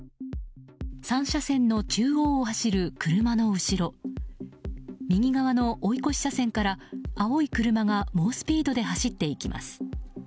３車線の中央を走る車の後ろ右側の追い越し車線から青い車が猛スピードで走っていきます。